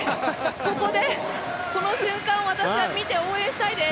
ここで、その瞬間を私は見て応援したいです！